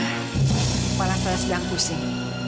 kepala saya sedang pusing